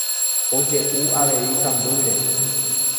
Oje'u avei kambýre.